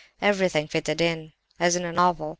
Everything fitted in, as in a novel.